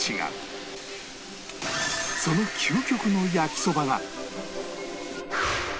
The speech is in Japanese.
その究極の焼きそばが